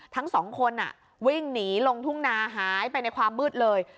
ทั้งสองคนวิ่งหนีลงทุ่งนาหายไปในความมืดเลย